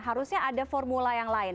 harusnya ada formula yang lain